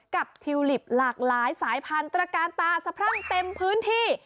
ทิวลิปหลากหลายสายพันธรการตาสะพรั่งเต็มพื้นที่